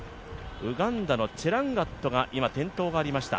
ウガンダのチェランガットが今、転倒がありました。